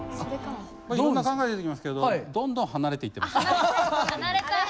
いろんな考え出てきますけどどんどん離れていってます。